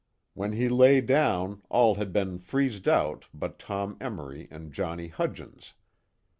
When he lay down all had been "freezed out" but Tom Emory and Johnny Hudgens.